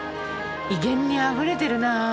威厳にあふれてるな。